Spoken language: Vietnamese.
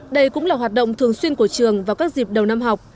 đây cũng là hoạt động thường xuyên của trường vào các dịp đầu năm học